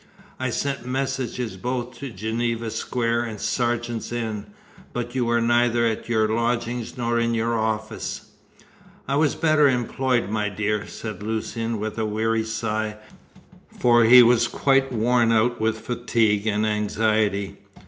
"I sent messages both to Geneva Square and Sergeant's Inn, but you were neither at your lodgings nor in your office." "I was better employed, my dear," said Lucian, with a weary sigh, for he was quite worn out with fatigue and anxiety.